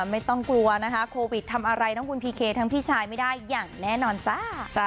ไม่ต้องกลัวนะคะโควิดทำอะไรทั้งคุณพีเคทั้งพี่ชายไม่ได้อย่างแน่นอนจ้า